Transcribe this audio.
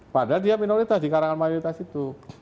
padahal dia minoritas di kalangan mayoritas itu